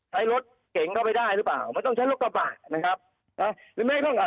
ใช้รถเก่งเข้าไปได้หรือเปล่ามันต้องใช้รถกระบะนะครับหรือไม่ต้อง